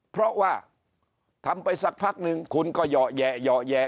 เพราะว่าทำไปสักพักนึงคุณก็หย่อแหยะกัน